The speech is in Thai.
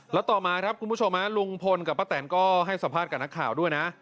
แล้วต่อมาครับคุณผู้ชมลุงพลกับป้าแตนก็ให้สัมภาษณ์กับนักข่าวด้วยนะ